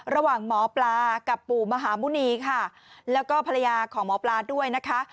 ระหว่างหมอปลากับปู่มหาหมุณีค่ะแล้วก็ภรรยาของหมอปลาด้วยนะคะ